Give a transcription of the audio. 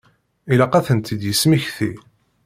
Ilaq ad tent-id-yesmekti.